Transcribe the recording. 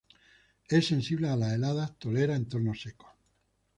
Es sensible a las heladas; tolera entornos secos.